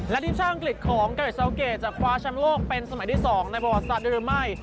และทีมชาติอังกฤษของเกรดเซาเกย์จะคว้าชามโลกเป็นสมัยที่สองในประวัติศาสตร์เดิม่าย